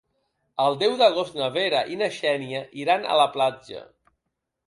El deu d'agost na Vera i na Xènia iran a la platja.